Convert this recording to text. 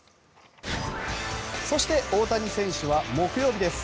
そして、大谷選手は木曜日です。